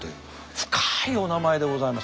深いお名前でございます。